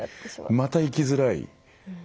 また行きづらい。